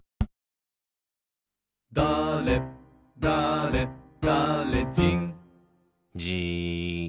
「だれだれだれじん」じーっ。